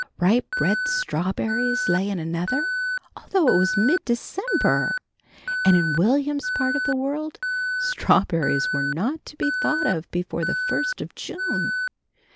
Ripe red strawberries lay in another, although it was mid December, and in Will'm's part of the world strawberries were not to be thought of before the first of June.